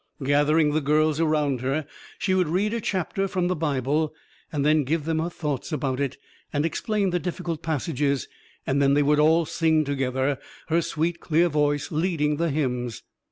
Gathering the girls around her, she would read a chapter from the Bible, and then give them her thoughts about it, and explain the difficult passages; then they would all sing together, her sweet, clear voice leading the hymns.